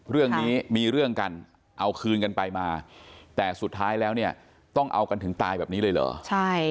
เรื่องนี้มีเรื่องกันเอาคืนกันไปมาแต่สุดท้ายแล้วเนี่ยต้องเอากันถึงตายแบบนี้เลยเหรอใช่